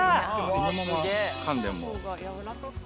そのままかんでも。